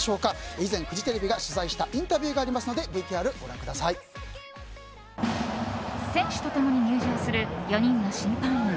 以前フジテレビが取材したインタビューがありますので選手と共に入場する４人の審判員。